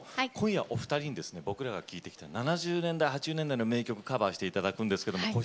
今夜、お二人に僕らが聴いてきた７０年代、８０年代の名曲をカバーしていただきます。